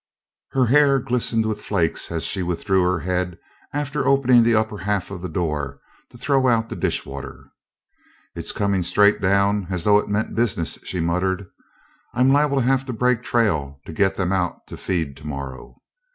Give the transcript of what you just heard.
Her hair glistened with flakes as she withdrew her head after opening the upper half of the door to throw out the dish water later. "It's coming straight down as though it meant business," she muttered. "I'm liable to have to break trail to get them out to feed to morrow."